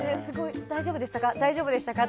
大丈夫でしたか？